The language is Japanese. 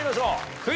クイズ。